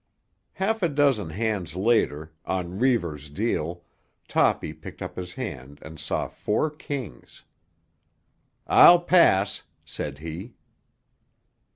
Half a dozen hands later, on Reivers' deal, Toppy picked up his hand and saw four kings. "I'll pass," said he.